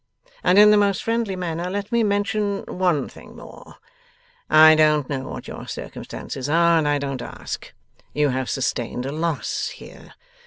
And in the most friendly manner, let me mention one thing more. I don't know what your circumstances are, and I don't ask. You have sustained a loss here.